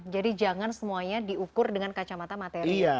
jadi jangan semuanya diukur dengan kacamata materi